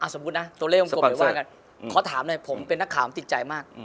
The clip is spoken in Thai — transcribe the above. สมมุตินะตัวเลขวงกลมไปว่ากันขอถามหน่อยผมเป็นนักข่าวติดใจมาก